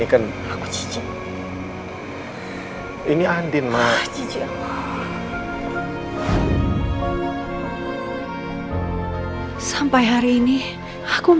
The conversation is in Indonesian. situasinya kurang mendukung